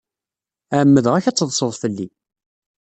Ɛemmdeɣ-ak ad teḍsed fell-i.